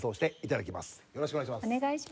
よろしくお願いします。